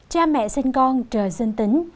cha mẹ sinh con trời sinh tính